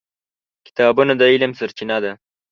کتابونه د علم سرچینه ده.